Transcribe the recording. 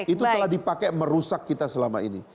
itu telah dipakai merusak kita selama ini